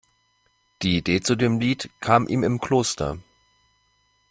Die Idee zu dem Lied kam ihm im Kloster.